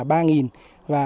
và một số